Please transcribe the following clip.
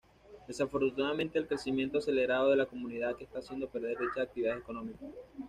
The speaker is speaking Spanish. Desafortunadamente el crecimiento acelerado de la comunidad está haciendo perder dichas actividades económicas.